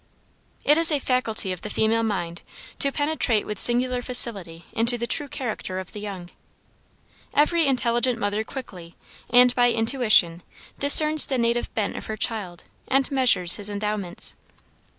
It is a faculty of the female mind to penetrate with singular facility into the true character of the young. Every intelligent mother quickly, and by intuition, discerns the native bent of her child and measures his endowments.